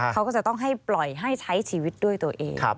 เขาก็จะต้องให้ปล่อยให้ใช้ชีวิตด้วยตัวเอง